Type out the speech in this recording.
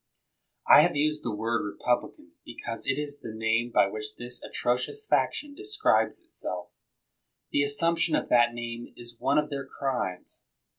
I have used the word republican because it is the name by which this atrocious faction describes itself. The assumption of that name is one of their crimes.